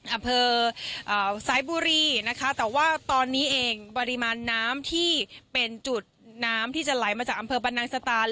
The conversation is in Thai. อำเภอสายบุรีนะคะแต่ว่าตอนนี้เองปริมาณน้ำที่เป็นจุดน้ำที่จะไหลมาจากอำเภอบรรนังสตาน